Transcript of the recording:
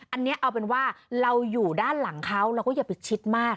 อันนี้เอาเป็นว่าเราอยู่ด้านหลังเขาเราก็อย่าไปชิดมาก